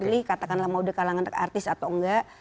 saya tidak memilih katakanlah mau di kalangan artis atau enggak